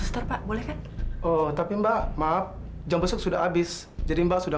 ini ceritanya tentang apa yang bersyukur ressurah